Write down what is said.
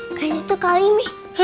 gak ada tuh kak wimi